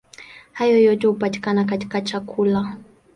Hayo yote hupatikana katika chakula.